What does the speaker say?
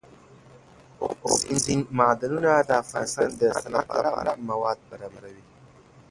اوبزین معدنونه د افغانستان د صنعت لپاره مواد برابروي.